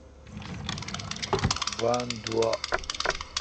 بان دووا۔